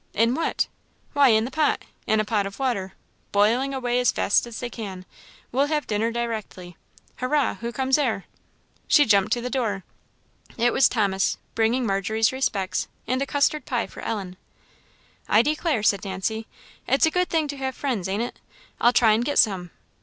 "In what?" "Why, in the pot! in a pot of water, boiling away as fast as they can; we'll have dinner directly. Hurra! who comes there?" She jumped to the door. It was Thomas, bringing Margery's respects, and a custard pie for Ellen. "I declare," said Nancy, "it's a good thing to have friends, ain't it? I'll try and get some.